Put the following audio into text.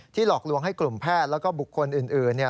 หลอกลวงให้กลุ่มแพทย์แล้วก็บุคคลอื่น